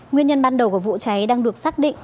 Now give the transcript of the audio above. nguyên nhân ban đầu của vụ cháy đang được xác định